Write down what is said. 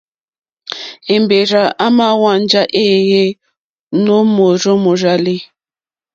Èmbèrzà èmà hwánjá wéèyé nǒ mòrzó mòrzàlì.